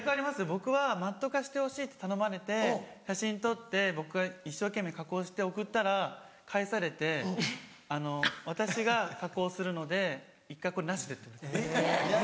僕はＭａｔｔ化してほしいって頼まれて写真撮って僕が一生懸命加工して送ったら返されてあの「私が加工するので１回これなしで」って言われた。